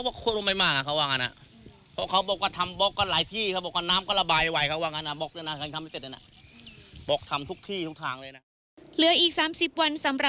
บอกว่าโคตรไม่มากอ่ะเขาว่างั้นอ่า